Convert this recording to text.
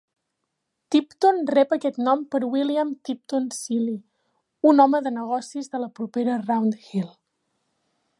Tipton rep aquest nom per William Tipton Seely, un home de negocis de la propera Round Hill.